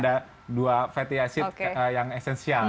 ada dua fatty acid yang esensial